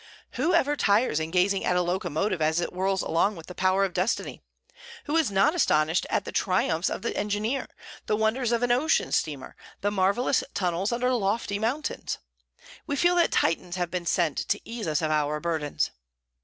Who ever tires in gazing at a locomotive as it whirls along with the power of destiny? Who is not astonished at the triumphs of the engineer, the wonders of an ocean steamer, the marvellous tunnels under lofty mountains? We feel that Titans have been sent to ease us of our burdens.